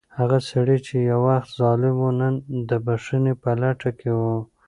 هغه سړی چې یو وخت ظالم و، نن د بښنې په لټه کې و.